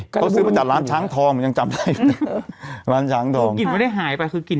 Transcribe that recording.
เขาซื้อมาจากร้านช้างทองมันยังจำได้ร้านช้างทองกลิ่นไม่ได้หายไปคือกลิ่น